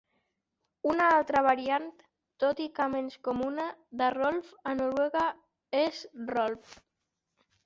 Una altra variant, tot i que menys comuna, de "Rolf" a Noruega és "Rolv".